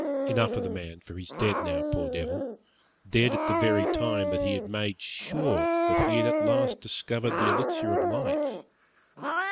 Enough of the man, for he is dead now, poor devil, dead at the very time that he had made sure that he had at last discovered the elixir of life.